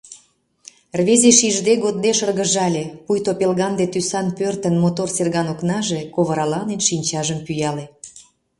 Рвезе шижде-годде шыргыжале — пуйто пелганде тӱсан пӧртын мотор серган окнаже, ковыраланен, шинчажым пӱяле.